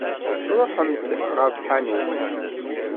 Ṛuḥemt ɣer tḥanut!